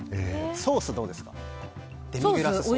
ソースはどうですか？